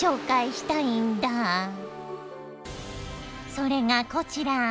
それがこちら。